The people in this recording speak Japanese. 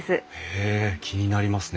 へえ気になりますね！